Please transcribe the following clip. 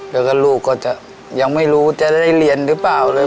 แล้วก็ลูกก็จะยังไม่รู้จะได้เรียนหรือเปล่าเลย